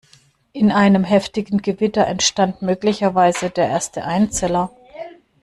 In einem heftigen Gewitter entstand möglicherweise der erste Einzeller.